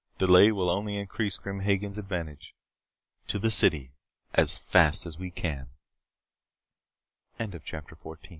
"Delay will only increase Grim Hagen's advantage. To the city as fast as we can " CHAPTER 15